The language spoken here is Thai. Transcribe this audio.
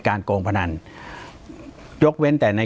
ปากกับภาคภูมิ